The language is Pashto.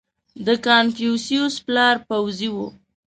• د کنفوسیوس پلار پوځي و.